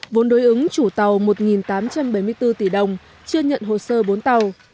vốn đối ứng chủ tàu một tám trăm bảy mươi bốn tỷ đồng chưa nhận hồ sơ bốn tàu